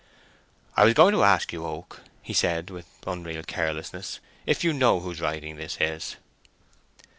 "I was going to ask you, Oak," he said, with unreal carelessness, "if you know whose writing this is?"